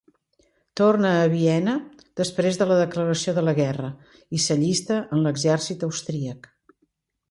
Torna a Viena després de la declaració de la guerra, i s'allista en l'exèrcit austríac.